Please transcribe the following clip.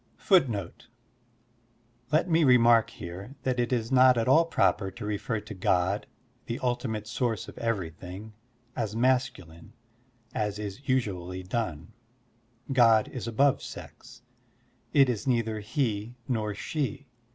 God's ^Let me remark here that it is not at all proper to refer to God, the ultimate soxirce of everything, as masculine as is usvially done. God is above sex. It is neither "he nor "she.